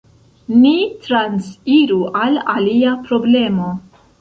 Ni transiru al alia problemo.